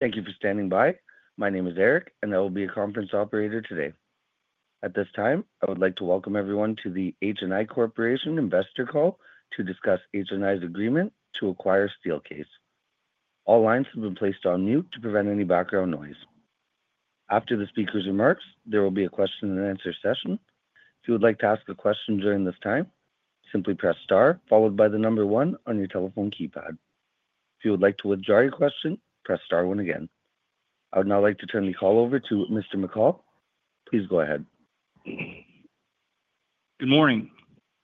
Thank you for standing by. My name is Eric, and I will be your conference operator today. At this time, I would like to welcome everyone to the HNI Corporation Investor Call to discuss HNI's agreement to acquire Steelcase. All lines have been placed on mute to prevent any background noise. After the speaker's remarks, there will be a question and answer session. If you would like to ask a question during this time, simply press star, followed by the number one on your telephone keypad. If you would like to withdraw your question, press star one again. I would now like to turn the call over to Mr. McCall. Please go ahead. Good morning.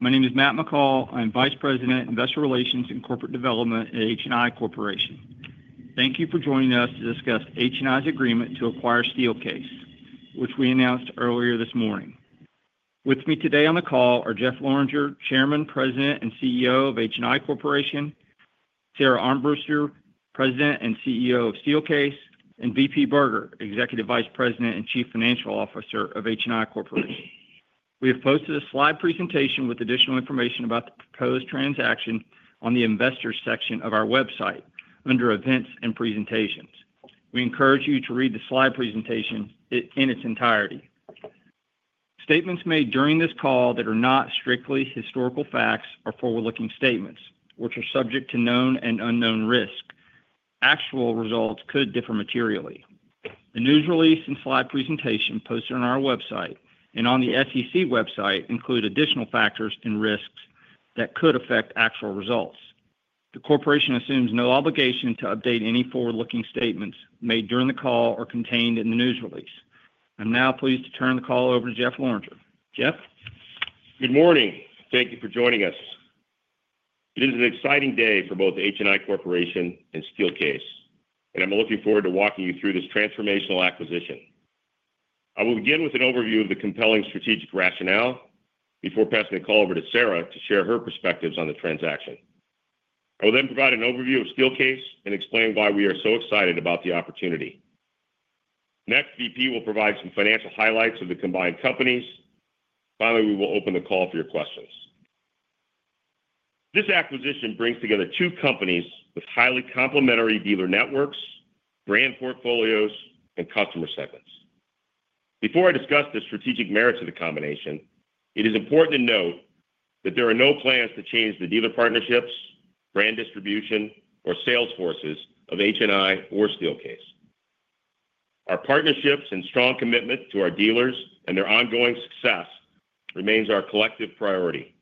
My name is Matt McCall. I'm Vice President, Investor Relations and Corporate Development at HNI Corporation. Thank you for joining us to discuss HNI's agreement to acquire Steelcase, which we announced earlier this morning. With me today on the call are Jeff Lorenger, Chairman, President, and CEO of HNI Corporation, Sara Armbruster, President and CEO of Steelcase, and V.P. Berger, Executive Vice President and Chief Financial Officer of HNI Corporation. We have posted a slide presentation with additional information about the proposed transaction on the investors section of our website under events and presentations. We encourage you to read the slide presentation in its entirety. Statements made during this call that are not strictly historical facts are forward-looking statements, which are subject to known and unknown risk. Actual results could differ materially. The news release and slide presentation posted on our website and on the SEC website include additional factors and risks that could affect actual results. The corporation assumes no obligation to update any forward-looking statements made during the call or contained in the news release. I'm now pleased to turn the call over to Jeff Lorenger. Jeff? Good morning. Thank you for joining us. It is an exciting day for both HNI Corporation and Steelcase, and I'm looking forward to walking you through this transformational acquisition. I will begin with an overview of the compelling strategic rationale before passing the call over to Sara to share her perspectives on the transaction. I will then provide an overview of Steelcase and explain why we are so excited about the opportunity. Next, V.P. will provide some financial highlights of the combined companies. Finally, we will open the call for your questions. This acquisition brings together two companies with highly complementary dealer networks, brand portfolios, and customer segments. Before I discuss the strategic merits of the combination, it is important to note that there are no plans to change the dealer partnerships, brand distribution, or sales forces of HNI or Steelcase. Our partnerships and strong commitment to our dealers and their ongoing success remain our collective priority.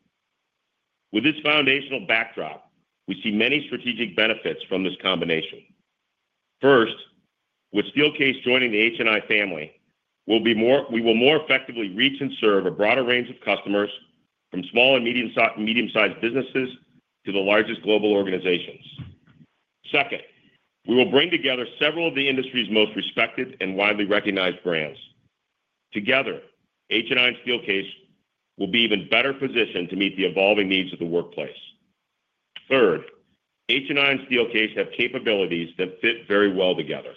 With this foundational backdrop, we see many strategic benefits from this combination. First, with Steelcase joining the HNI family, we will more effectively reach and serve a broader range of customers from small and medium-sized businesses to the largest global organizations. Second, we will bring together several of the industry's most respected and widely recognized brands. Together, HNI and Steelcase will be even better positioned to meet the evolving needs of the workplace. Third, HNI and Steelcase have capabilities that fit very well together.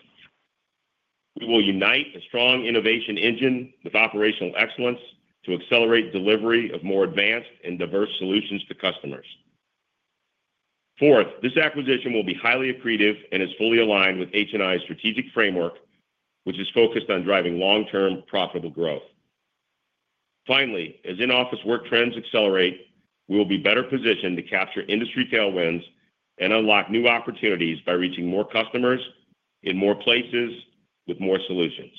We will unite a strong innovation engine with operational excellence to accelerate delivery of more advanced and diverse solutions to customers. Fourth, this acquisition will be highly accretive and is fully aligned with HNI's strategic framework, which is focused on driving long-term profitable growth. Finally, as in-office work trends accelerate, we will be better positioned to capture industry tailwinds and unlock new opportunities by reaching more customers in more places with more solutions.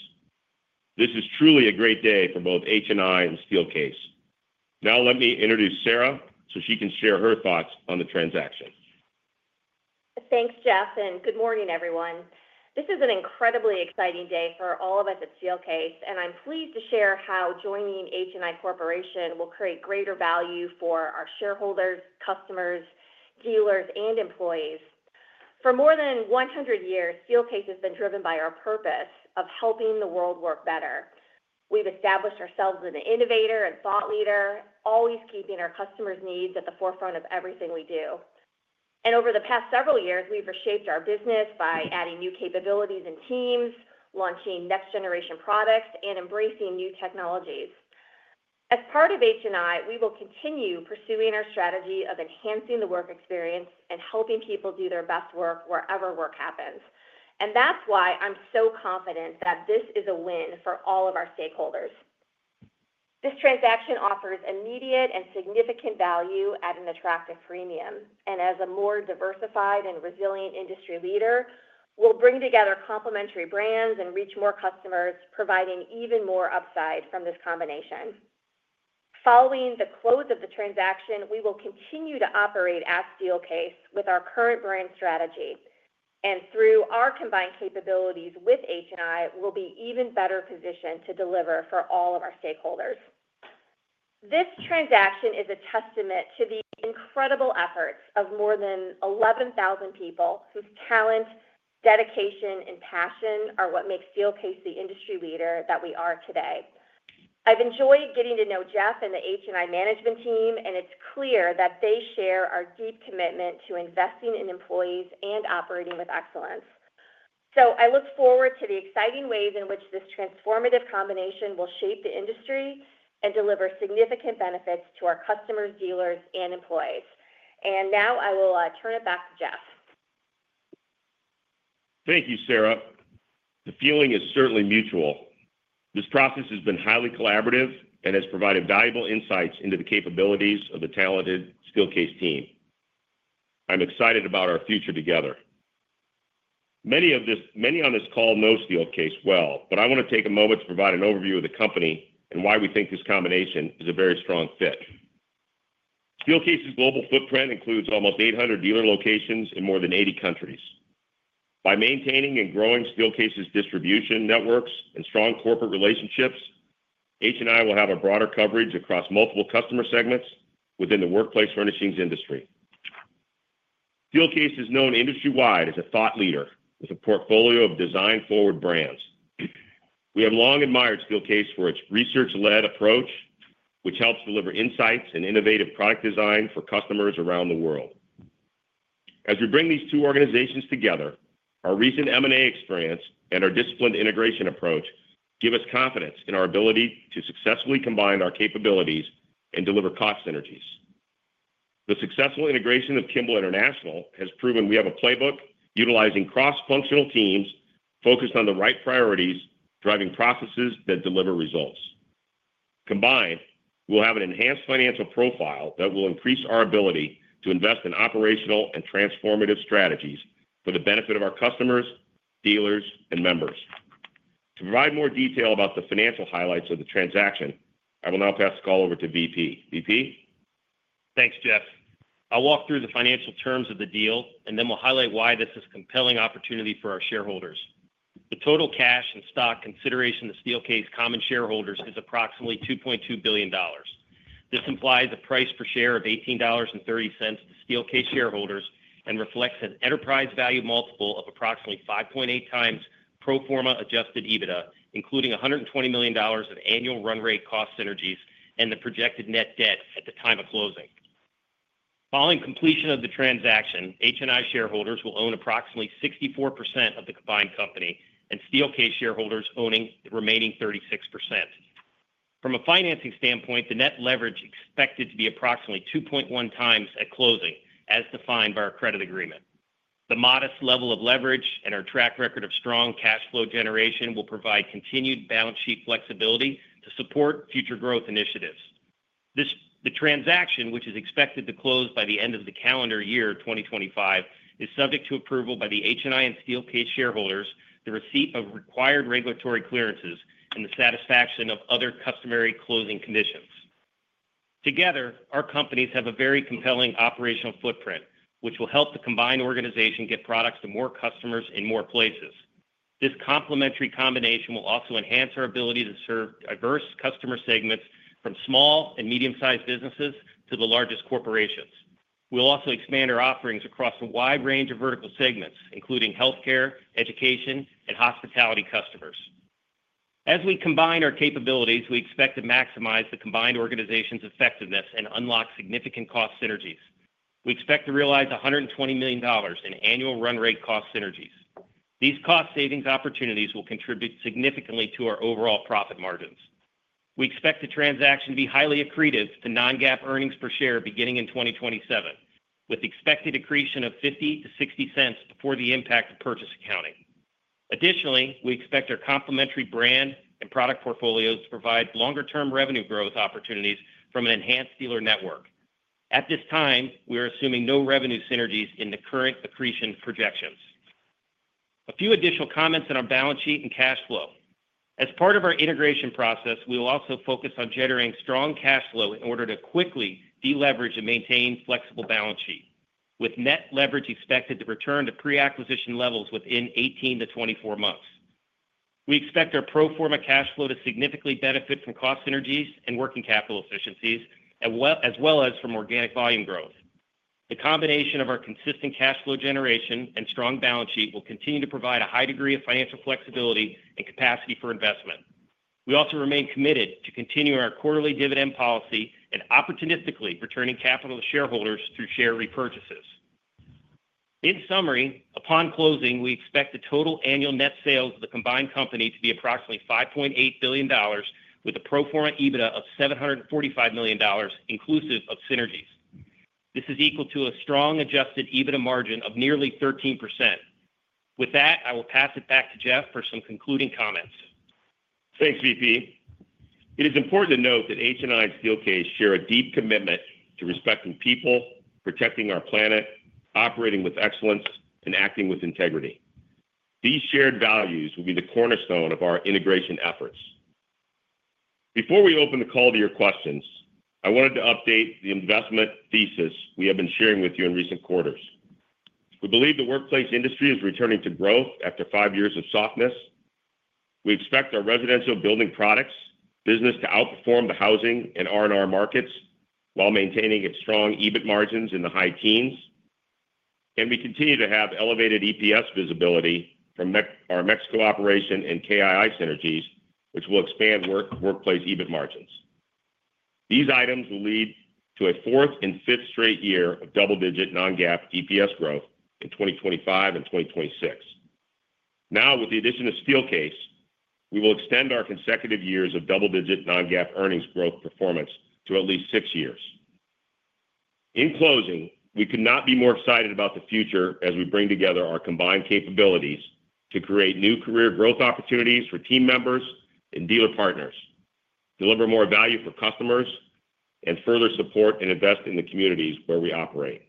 This is truly a great day for both HNI and Steelcase. Now, let me introduce Sara so she can share her thoughts on the transaction. Thanks, Jeff, and good morning, everyone. This is an incredibly exciting day for all of us at Steelcase, and I'm pleased to share how joining HNI Corporation will create greater value for our shareholders, customers, dealers, and employees. For more than 100 years, Steelcase has been driven by our purpose of helping the world work better. We've established ourselves as an innovator and thought leader, always keeping our customers' needs at the forefront of everything we do. Over the past several years, we've reshaped our business by adding new capabilities and teams, launching next-generation products, and embracing new technologies. As part of HNI, we will continue pursuing our strategy of enhancing the work experience and helping people do their best work wherever work happens. That is why I'm so confident that this is a win for all of our stakeholders. This transaction offers immediate and significant value at an attractive premium. As a more diversified and resilient industry leader, we'll bring together complementary brands and reach more customers, providing even more upside from this combination. Following the close of the transaction, we will continue to operate at Steelcase with our current brand strategy. Through our combined capabilities with HNI, we'll be even better positioned to deliver for all of our stakeholders. This transaction is a testament to the incredible efforts of more than 11,000 people whose talent, dedication, and passion are what make Steelcase the industry leader that we are today. I've enjoyed getting to know Jeff and the HNI management team, and it's clear that they share our deep commitment to investing in employees and operating with excellence. I look forward to the exciting wave in which this transformative combination will shape the industry and deliver significant benefits to our customers, dealers, and employees. I will turn it back to Jeff. Thank you, Sara. The feeling is certainly mutual. This process has been highly collaborative and has provided valuable insights into the capabilities of the talented Steelcase team. I'm excited about our future together. Many on this call know Steelcase well, but I want to take a moment to provide an overview of the company and why we think this combination is a very strong fit. Steelcase's global footprint includes almost 800 dealer locations in more than 80 countries. By maintaining and growing Steelcase's distribution networks and strong corporate relationships, HNI will have a broader coverage across multiple customer segments within the workplace furnishings industry. Steelcase is known industry-wide as a thought leader with a portfolio of design-forward brands. We have long admired Steelcase for its research-led approach, which helps deliver insights and innovative product design for customers around the world. As we bring these two organizations together, our recent M&A experience and our disciplined integration approach give us confidence in our ability to successfully combine our capabilities and deliver cost synergies. The successful integration of Kimball International has proven we have a playbook utilizing cross-functional teams focused on the right priorities, driving processes that deliver results. Combined, we'll have an enhanced financial profile that will increase our ability to invest in operational and transformative strategies for the benefit of our customers, dealers, and members. To provide more detail about the financial highlights of the transaction, I will now pass the call over to V.P. V.P.? Thanks, Jeff. I'll walk through the financial terms of the deal, and then we'll highlight why this is a compelling opportunity for our shareholders. The total cash and stock consideration of Steelcase common shareholders is approximately $2.2 billion. This implies a price per share of $18.30 to Steelcase shareholders and reflects an enterprise value multiple of approximately 5.8x pro forma adjusted EBITDA, including $120 million of annual run-rate cost synergies and the projected net debt at the time of closing. Following completion of the transaction, HNI shareholders will own approximately 64% of the combined company and Steelcase shareholders owning the remaining 36%. From a financing standpoint, the net leverage is expected to be approximately 2.1x at closing, as defined by our credit agreement. The modest level of leverage and our track record of strong cash flow generation will provide continued balance sheet flexibility to support future growth initiatives. The transaction, which is expected to close by the end of the calendar year of 2025, is subject to approval by the HNI and Steelcase shareholders, the receipt of required regulatory clearances, and the satisfaction of other customary closing conditions. Together, our companies have a very compelling operational footprint, which will help the combined organization get products to more customers in more places. This complementary combination will also enhance our ability to serve diverse customer segments from small and medium-sized businesses to the largest corporations. We'll also expand our offerings across a wide range of vertical segments, including healthcare, education, and hospitality customers. As we combine our capabilities, we expect to maximize the combined organization's effectiveness and unlock significant cost synergies. We expect to realize $120 million in annual run-rate cost synergies. These cost savings opportunities will contribute significantly to our overall profit margins. We expect the transaction to be highly accretive to non-GAAP earnings per share beginning in 2027, with the expected accretion of $0.50 to $0.60 before the impact of purchase accounting. Additionally, we expect our complementary brand and product portfolios to provide longer-term revenue growth opportunities from an enhanced dealer network. At this time, we are assuming no revenue synergies in the current accretion projections. A few additional comments on our balance sheet and cash flow. As part of our integration process, we will also focus on generating strong cash flow in order to quickly deleverage and maintain flexible balance sheets, with net leverage expected to return to pre-acquisition levels within 18 to 24 months. We expect our pro forma cash flow to significantly benefit from cost synergies and working capital efficiencies, as well as from organic volume growth. The combination of our consistent cash flow generation and strong balance sheet will continue to provide a high degree of financial flexibility and capacity for investment. We also remain committed to continuing our quarterly dividend policy and opportunistically returning capital to shareholders through share repurchases. In summary, upon closing, we expect the total annual net sales of the combined company to be approximately $5.8 billion, with a pro forma EBITDA of $745 million, inclusive of synergies. This is equal to a strong adjusted EBITDA margin of nearly 13%. With that, I will pass it back to Jeff for some concluding comments. Thanks, V.P. It is important to note that HNI and Steelcase share a deep commitment to respecting people, protecting our planet, operating with excellence, and acting with integrity. These shared values will be the cornerstone of our integration efforts. Before we open the call to your questions, I wanted to update the investment thesis we have been sharing with you in recent quarters. We believe the workplace industry is returning to growth after five years of softness. We expect our residential building products business to outperform the housing and R&R markets while maintaining its strong EBIT margins in the high teens. We continue to have elevated EPS visibility from our Mexico operation and KII synergies, which will expand workplace EBIT margins. These items will lead to a fourth and fifth straight year of double-digit non-GAAP EPS growth in 2025 and 2026. Now, with the addition of Steelcase, we will extend our consecutive years of double-digit non-GAAP earnings growth performance to at least six years. In closing, we could not be more excited about the future as we bring together our combined capabilities to create new career growth opportunities for team members and dealer partners, deliver more value for customers, and further support and invest in the communities where we operate.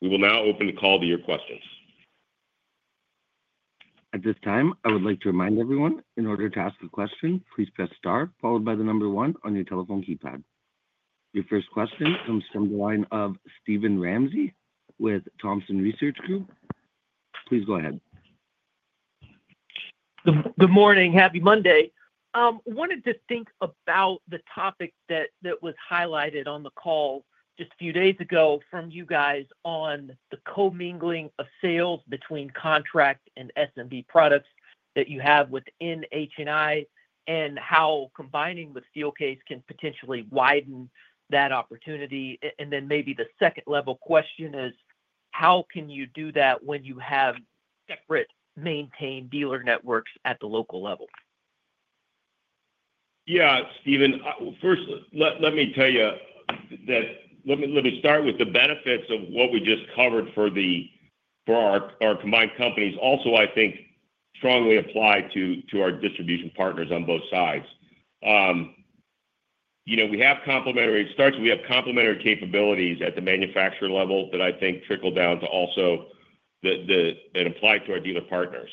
We will now open the call to your questions. At this time, I would like to remind everyone, in order to ask a question, please press star, followed by the number one on your telephone keypad. Your first question comes from the line of Steven Ramsey with Thompson Research Group. Please go ahead. Good morning. Happy Monday. I wanted to think about the topic that was highlighted on the call just a few days ago from you guys on the co-mingling of sales between contract and SMB products that you have within HNI and how combining with Steelcase can potentially widen that opportunity. Maybe the second-level question is, how can you do that when you have separate maintained dealer networks at the local level? Yeah, Steven, first, let me tell you that the benefits of what we just covered for our combined companies also, I think, strongly apply to our distribution partners on both sides. We have complementary starts. We have complementary capabilities at the manufacturer level that I think trickle down to and apply to our dealer partners.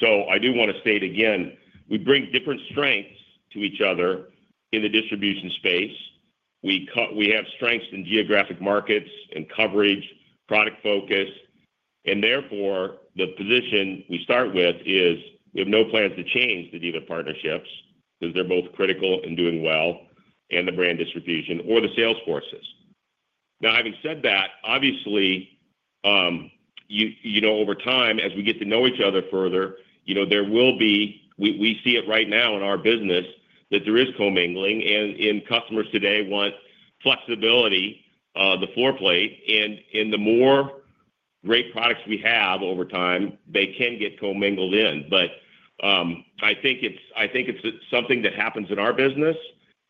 I do want to state again, we bring different strengths to each other in the distribution space. We have strengths in geographic markets and coverage, product focus. Therefore, the position we start with is we have no plans to change the dealer partnerships because they're both critical in doing well in the brand distribution or the sales forces. Now, having said that, obviously, over time, as we get to know each other further, there will be, we see it right now in our business, that there is co-mingling, and customers today want flexibility, the floor plate. The more great products we have over time, they can get co-mingled in. I think it's something that happens in our business,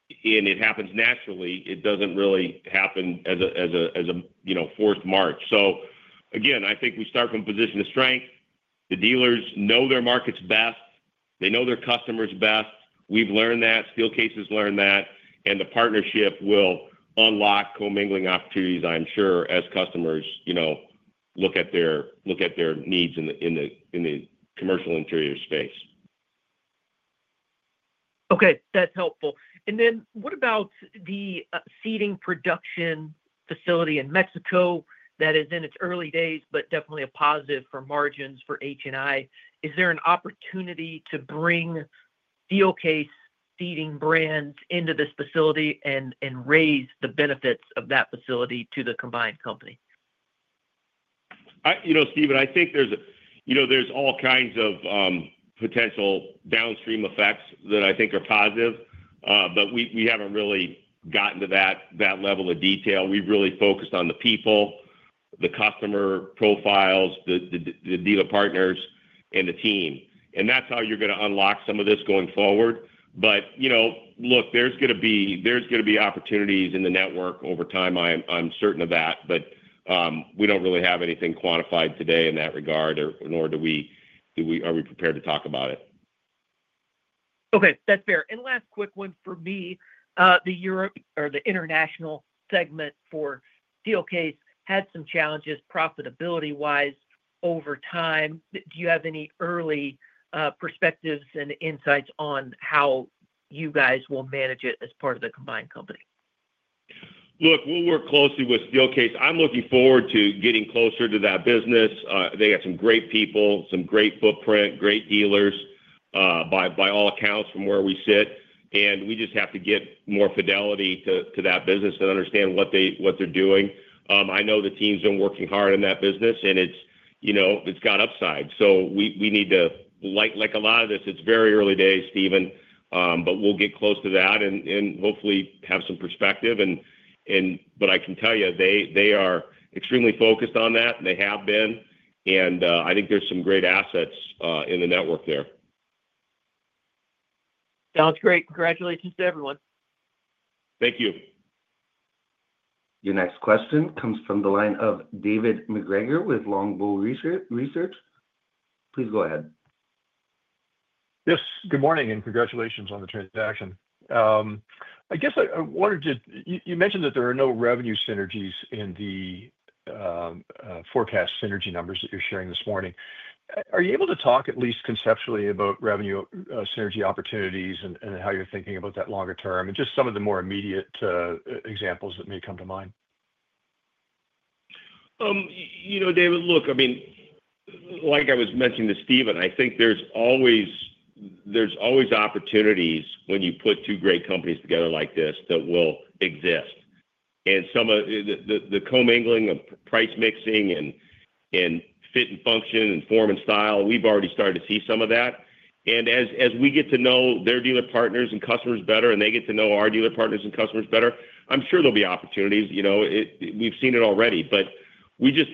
and it happens naturally. It doesn't really happen as a forced march. Again, I think we start from a position of strength. The dealers know their markets best. They know their customers best. We've learned that. Steelcase has learned that. The partnership will unlock co-mingling opportunities, I'm sure, as customers look at their needs in the commercial interior space. Okay. That's helpful. What about the seating production facility in Mexico that is in its early days, but definitely a positive for margins for HNI? Is there an opportunity to bring Steelcase seating brands into this facility and raise the benefits of that facility to the combined company? You know, Steven, I think there's all kinds of potential downstream effects that I think are positive, but we haven't really gotten to that level of detail. We've really focused on the people, the customer profiles, the dealer partners, and the team. That's how you're going to unlock some of this going forward. There's going to be opportunities in the network over time. I'm certain of that. We don't really have anything quantified today in that regard, nor are we prepared to talk about it. Okay. That's fair. Last quick one for me. The Europe or the international segment for Steelcase had some challenges profitability-wise over time. Do you have any early perspectives and insights on how you guys will manage it as part of the combined company? Look, we'll work closely with Steelcase. I'm looking forward to getting closer to that business. They have some great people, some great footprint, great dealers by all accounts from where we sit. We just have to get more fidelity to that business and understand what they're doing. I know the team's been working hard in that business, and it's got upside. Like a lot of this, it's very early days, Steven, but we'll get close to that and hopefully have some perspective. I can tell you, they are extremely focused on that, and they have been. I think there's some great assets in the network there. Sounds great. Congratulations to everyone. Thank you. Your next question comes from the line of David MacGregor with Longbow Research. Please go ahead. Yes. Good morning, and congratulations on the transaction. I wanted to—you mentioned that there are no revenue synergies in the forecast synergy numbers that you're sharing this morning. Are you able to talk at least conceptually about revenue synergy opportunities and how you're thinking about that longer term and just some of the more immediate examples that may come to mind? You know, David, look, I mean, like I was mentioning to Steven, I think there's always opportunities when you put two great companies together like this that will exist. Some of the co-mingling of price mixing and fit and function and form and style, we've already started to see some of that. As we get to know their dealer partners and customers better and they get to know our dealer partners and customers better, I'm sure there'll be opportunities. We've seen it already, but we just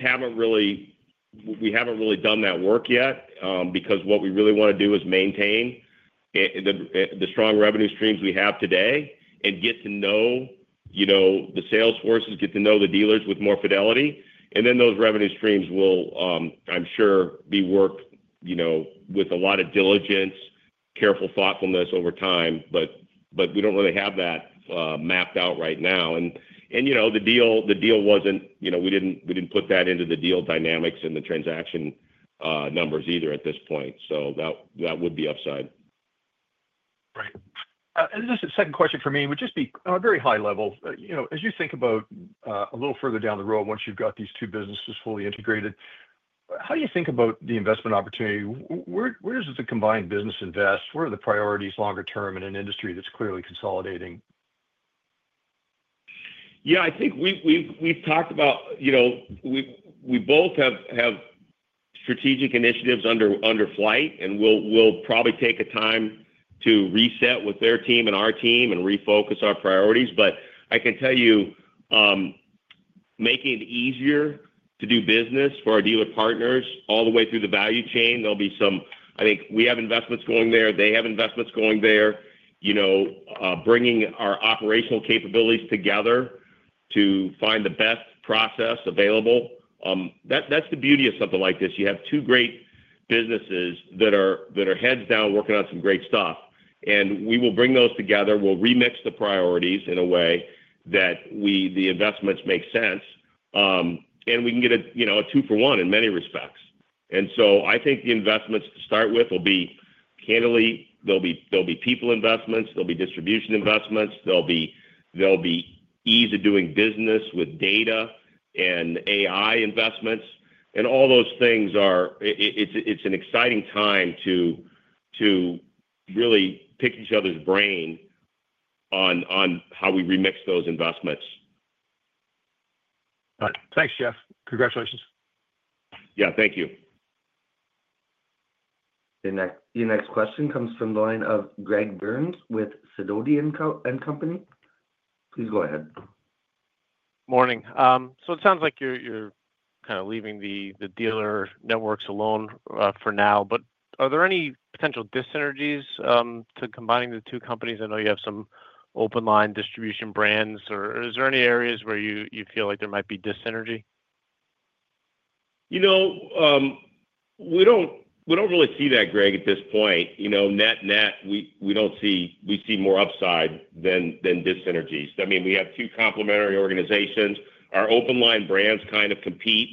haven't really done that work yet because what we really want to do is maintain the strong revenue streams we have today and get to know the sales forces, get to know the dealers with more fidelity. Those revenue streams will, I'm sure, be worked with a lot of diligence, careful thoughtfulness over time. We don't really have that mapped out right now. The deal wasn't, you know, we didn't put that into the deal dynamics and the transaction numbers either at this point. That would be upside. Right. Just a second question for me, it would just be a very high level. You know, as you think about a little further down the road, once you've got these two businesses fully integrated, how do you think about the investment opportunity? Where does the combined business invest? What are the priorities longer term in an industry that's clearly consolidating? Yeah, I think we've talked about, you know, we both have strategic initiatives under flight, and we'll probably take a time to reset with their team and our team and refocus our priorities. I can tell you, making it easier to do business for our dealer partners all the way through the value chain, there'll be some, I think we have investments going there. They have investments going there, you know, bringing our operational capabilities together to find the best process available. That's the beauty of something like this. You have two great businesses that are heads down working on some great stuff. We will bring those together. We'll remix the priorities in a way that the investments make sense. We can get a, you know, a two-for-one in many respects. I think the investments to start with will be, candidly, they'll be people investments, they'll be distribution investments, they'll be ease of doing business with data and AI investments. All those things are, it's an exciting time to really pick each other's brain on how we remix those investments. Got it. Thanks, Jeff. Congratulations. Thank you. Your next question comes from the line of Greg Burns with Sidoti & Company. Please go ahead. Morning. It sounds like you're kind of leaving the dealer networks alone for now. Are there any potential disynergies to combining the two companies? I know you have some open line distribution brands. Are there any areas where you feel like there might be disynergy? We don't really see that, Greg, at this point. Net-net, we don't see, we see more upside than disynergies. We have two complementary organizations. Our open line brands kind of compete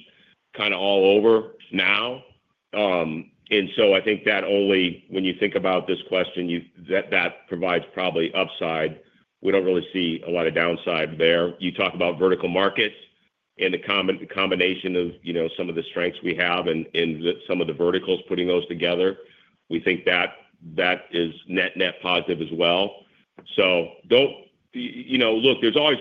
all over now. I think that only when you think about this question, that provides probably upside. We don't really see a lot of downside there. You talk about vertical markets and the combination of some of the strengths we have and some of the verticals, putting those together. We think that is net-net positive as well. There's always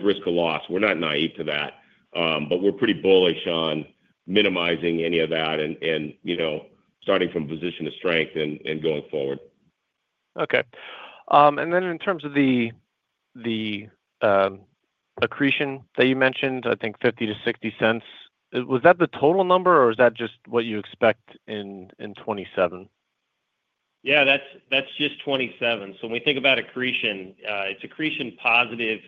risk of loss. We're not naive to that. We're pretty bullish on minimizing any of that and starting from a position of strength and going forward. Okay. In terms of the accretion that you mentioned, I think $0.50 to $0.60, was that the total number, or is that just what you expect in 2027? Yeah, that's just 2027. When we think about accretion, it's accretion positive,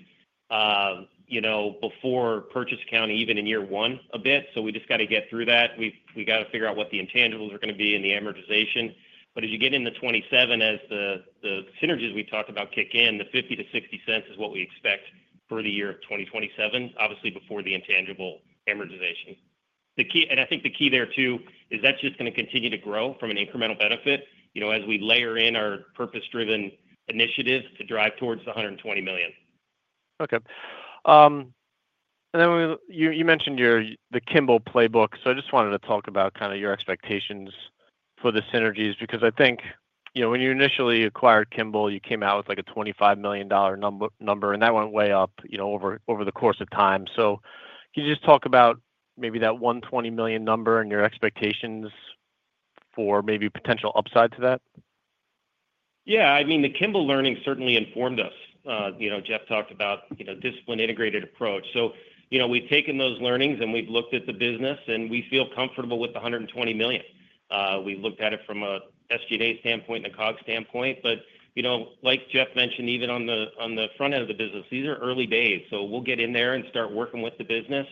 you know, before purchase accounting, even in year one a bit. We just have to get through that. We have to figure out what the intangibles are going to be and the amortization. As you get into 2027, as the synergies we talked about kick in, the $0.50 to $0.60 is what we expect for the year of 2027, obviously before the intangible amortization. The key, and I think the key there too, is that's just going to continue to grow from an incremental benefit, you know, as we layer in our purpose-driven initiatives to drive towards the $120 million. Okay. You mentioned the Kimball playbook. I just wanted to talk about your expectations for the synergies because I think when you initially acquired Kimball, you came out with like a $25 million number, and that went way up over the course of time. Can you just talk about that $120 million number and your expectations for potential upside to that? Yeah, I mean, the Kimball learnings certainly informed us. Jeff talked about discipline-integrated approach. We've taken those learnings, and we've looked at the business, and we feel comfortable with the $120 million. We've looked at it from an SG&A standpoint and a COGS standpoint. Like Jeff mentioned, even on the front end of the business, these are early days. We'll get in there and start working with the business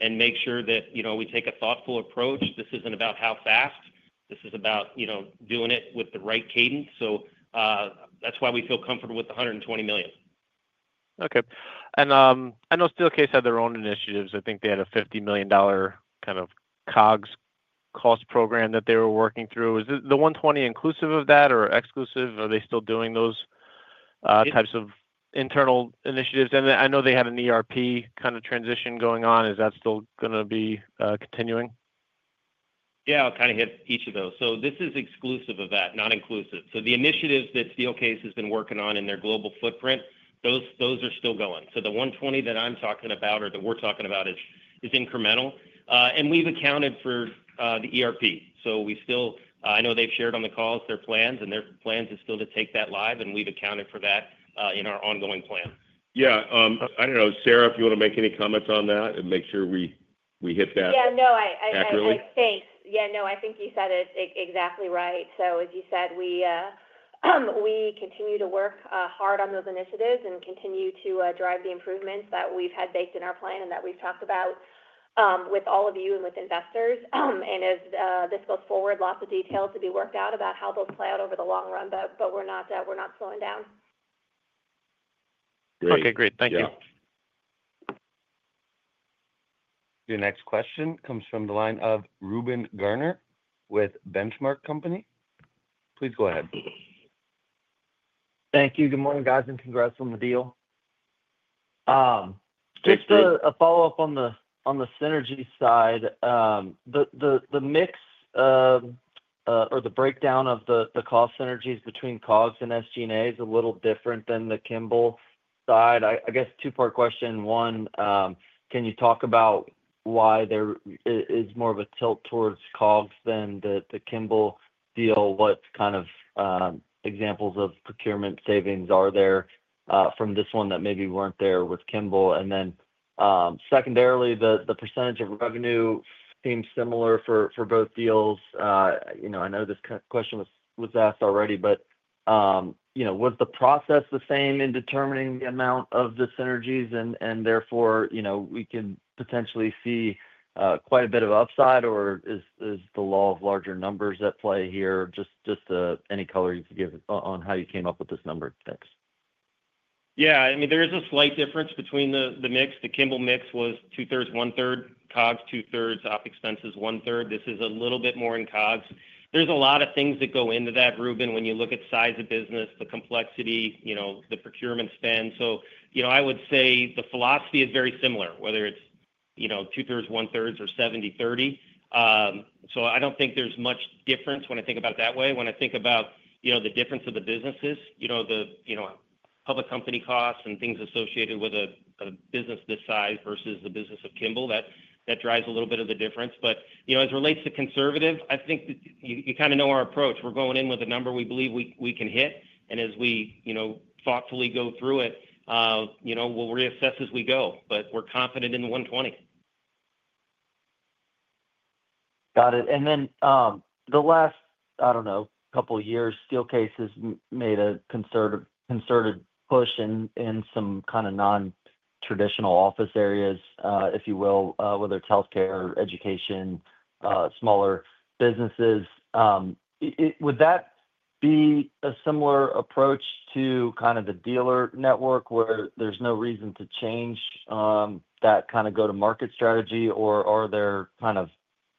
and make sure that we take a thoughtful approach. This isn't about how fast. This is about doing it with the right cadence. That's why we feel comfortable with the $120 million. Okay. I know Steelcase had their own initiatives. I think they had a $50 million kind of COGS program that they were working through. Is the $120 million inclusive of that or exclusive? Are they still doing those types of internal initiatives? I know they had an ERP transition going on. Is that still going to be continuing? I'll kind of hit each of those. This is exclusive of that, not inclusive. The initiatives that Steelcase has been working on in their global footprint are still going. The $120 million that I'm talking about or that we're talking about is incremental. We've accounted for the ERP transition. I know they've shared on the calls their plans, and their plans are still to take that live, and we've accounted for that in our ongoing plan. Yeah. I don't know, Sara, if you want to make any comments on that to make sure we hit that. Yeah, no, I think. Actually. Thanks. Yeah, no, I think you said it exactly right. As you said, we continue to work hard on those initiatives and continue to drive the improvements that we've had baked in our plan and that we've talked about with all of you and with investors. As this goes forward, lots of details to be worked out about how those play out over the long run, but we're not slowing down. Okay, great. Thank you. Your next question comes from the line of Reuben Garner with The Benchmark Company. Please go ahead. Thank you. Good morning, guys, and congrats on the deal. Just a follow-up on the synergy side. The mix or the breakdown of the cost synergies between COGS and SG&A is a little different than the Kimball side. I guess two-part question. One, can you talk about why there is more of a tilt towards COGS than the Kimball deal? What kind of examples of procurement savings are there from this one that maybe weren't there with Kimball? Secondarily, the percentage of revenue seems similar for both deals. I know this question was asked already, but was the process the same in determining the amount of the synergies? Therefore, you know, we can potentially see quite a bit of upside, or is the law of larger numbers at play here? Just any color you could give on how you came up with this number. Thanks. Yeah, I mean, there is a slight difference between the mix. The Kimball mix was 2/3, 1/3, COGS, 2/3, op expenses, 1/3. This is a little bit more in COGS. There are a lot of things that go into that, Reuben, when you look at size of business, the complexity, the procurement spend. I would say the philosophy is very similar, whether it's 2/3, 1/3, or 70/30. I don't think there's much difference when I think about it that way. When I think about the difference of the businesses, the public company costs and things associated with a business this size versus the business of Kimball, that drives a little bit of the difference. As it relates to conservative, I think you kind of know our approach. We're going in with a number we believe we can hit. As we thoughtfully go through it, we'll reassess as we go. We're confident in the $120 million. Got it. The last couple of years, Steelcase has made a concerted push in some kind of non-traditional office areas, if you will, whether it's healthcare, education, smaller businesses. Would that be a similar approach to the dealer network where there's no reason to change that kind of go-to-market strategy, or are there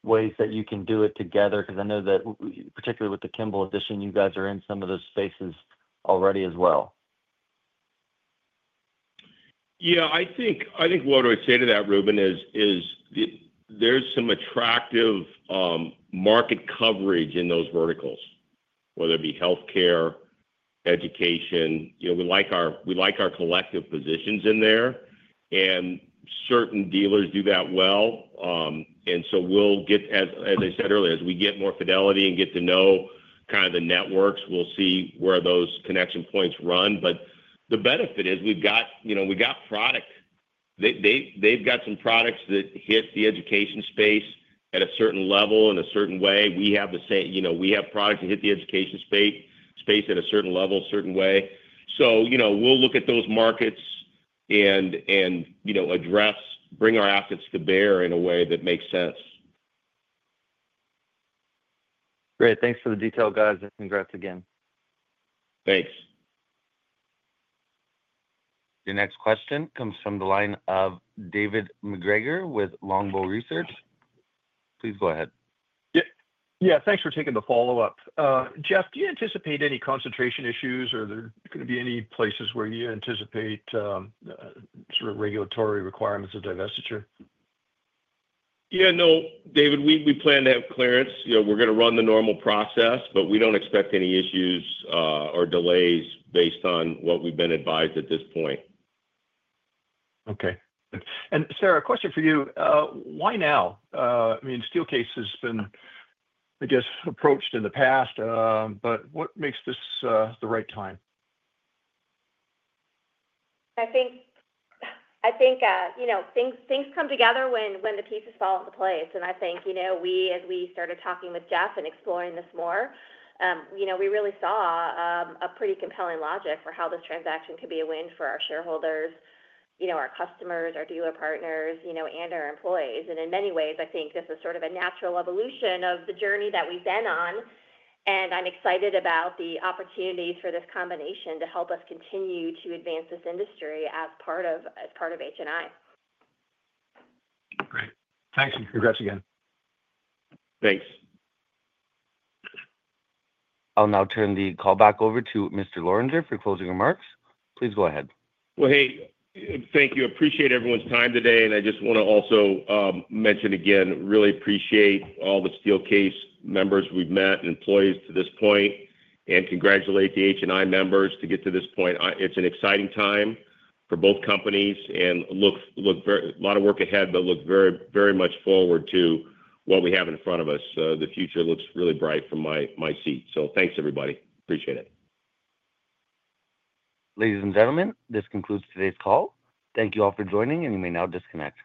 ways that you can do it together? I know that particularly with the Kimball addition, you guys are in some of those spaces already as well. Yeah, I think what I would say to that, Reuben, is there's some attractive market coverage in those verticals, whether it be healthcare or education. We like our collective positions in there, and certain dealers do that well. As I said earlier, as we get more fidelity and get to know the networks, we'll see where those connection points run. The benefit is we've got product. They've got some products that hit the education space at a certain level in a certain way. We have the same. We have products that hit the education space at a certain level, a certain way. We'll look at those markets and address, bring our assets to bear in a way that makes sense. Great. Thanks for the detail, guys, and congrats again. Thanks. Your next question comes from the line of David MacGregor with Longbow Research. Please go ahead. Yeah, thanks for taking the follow-up. Jeff, do you anticipate any concentration issues, or are there going to be any places where you anticipate sort of regulatory requirements of divestiture? Yeah, no, David, we plan to have clearance. We're going to run the normal process, but we don't expect any issues or delays based on what we've been advised at this point. Okay. Sara, a question for you. Why now? I mean, Steelcase has been, I guess, approached in the past, but what makes this the right time? I think things come together when the pieces fall into place. I think as we started talking with Jeff Lorenger and exploring this more, we really saw a pretty compelling logic for how this transaction could be a win for our shareholders, our customers, our dealer partners, and our employees. In many ways, I think this is sort of a natural evolution of the journey that we've been on. I'm excited about the opportunities for this combination to help us continue to advance this industry as part of HNI. Great. Thanks, and congrats again. Thanks. I'll now turn the call back over to Mr. Lorenger for closing remarks. Please go ahead. Thank you. I appreciate everyone's time today. I just want to also mention again, really appreciate all the Steelcase members we've met and employees to this point, and congratulate the HNI members to get to this point. It's an exciting time for both companies and look, a lot of work ahead, but look very, very much forward to what we have in front of us. The future looks really bright from my seat. Thanks, everybody. Appreciate it. Ladies and gentlemen, this concludes today's call. Thank you all for joining, and you may now disconnect.